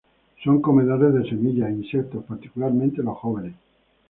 Son comedores de semillas, insectos, particularmente los jóvenes.